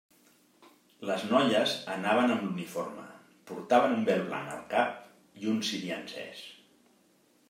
Les noies anaven amb l'uniforme, portaven un vel blanc al cap, i un ciri encès.